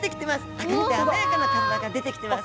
赤くて鮮やかな体が出てきてます。